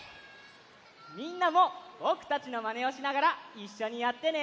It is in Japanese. みんなもぼくたちのまねをしながらいっしょにやってね。